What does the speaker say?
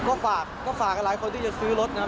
ก็ฝากก็ฝากหลายคนที่จะซื้อรถนะครับ